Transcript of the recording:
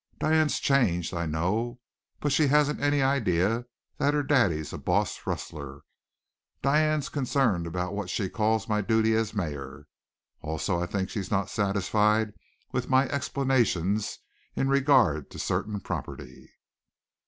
"Diane's changed, I know; but she hasn't any idea yet that her daddy's a boss rustler. Diane's concerned about what she calls my duty as mayor. Also I think she's not satisfied with my explanations in regard to certain property."